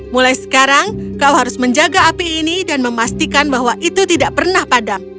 mulai sekarang kau harus menjaga api ini dan memastikan bahwa itu tidak pernah padam